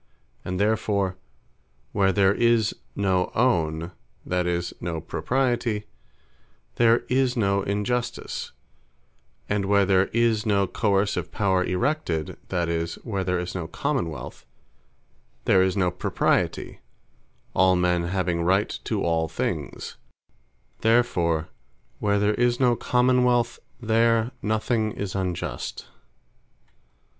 And therefore where there is no Own, that is, no Propriety, there is no Injustice; and where there is no coerceive Power erected, that is, where there is no Common wealth, there is no Propriety; all men having Right to all things: Therefore where there is no Common wealth, there nothing is Unjust.